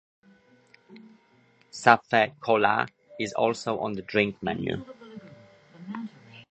Ca Phe Cola is also on the drink menu.